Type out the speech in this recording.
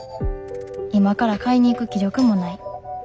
今から買いに行く気力もない。